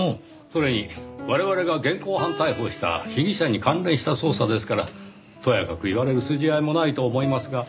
それに我々が現行犯逮捕した被疑者に関連した捜査ですからとやかく言われる筋合いもないと思いますが。